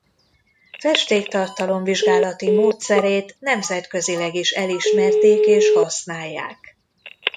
Festéktartalom-vizsgálati módszerét nemzetközileg is elismerték és használják.